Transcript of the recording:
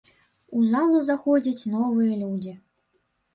У залу заходзяць новыя людзі.